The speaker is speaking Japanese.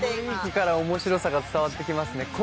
雰囲気から面白さが伝わってきますね。